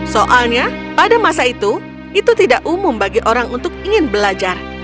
soalnya pada masa itu itu tidak umum bagi orang untuk ingin belajar